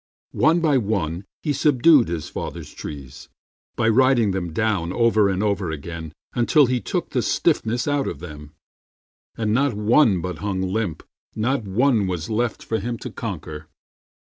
One by one he subdued his father's trees By riding them down over and over again Until he took the stiffness out of them, And not one but hung limp, not one was left For him to conquer.